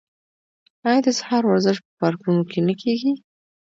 آیا د سهار ورزش په پارکونو کې نه کیږي؟